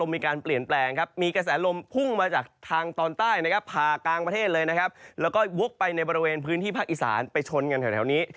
มีกระแสลมพุ่งมาจากทางตอนใต้นะครับผ่ากลางประเทศเลยนะครับแล้วก็บุ๊บไปในบริเวณพื้นที่ภาคอีสานไปทนอย่างแถวนี้